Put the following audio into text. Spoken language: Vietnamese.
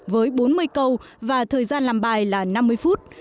với bốn mươi câu và thời gian làm bài là năm mươi phút